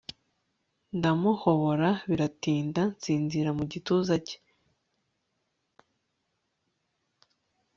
ndamuhobora biratinda nsinzira mu gituza cye